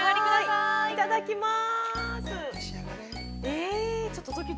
いただきます。